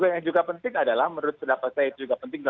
yang juga penting adalah menurut pendapat saya itu juga penting